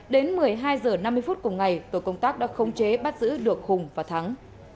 đến một mươi hai h năm mươi phút cùng ngày tổ công tác đã không chế bắt giữ được hùng và thắng